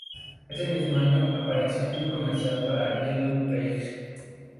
Ese mismo año apareció en un comercial para Yellow Pages.